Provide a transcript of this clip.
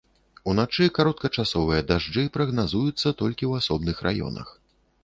Уначы кароткачасовыя дажджы прагназуюцца толькі ў асобных раёнах.